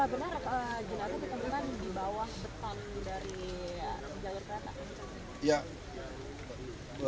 di bawah depan dari jalan kereta